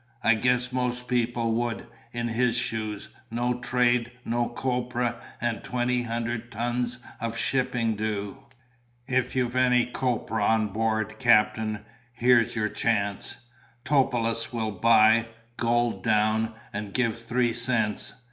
I guess most people would, in his shoes; no trade, no copra, and twenty hundred ton of shipping due. If you've any copra on board, cap'n, here's your chance. Topelius will buy, gold down, and give three cents.